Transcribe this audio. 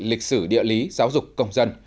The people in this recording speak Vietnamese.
lịch sử địa lý giáo dục công dân